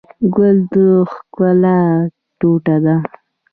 ګل د ښکلا ټوټه ده.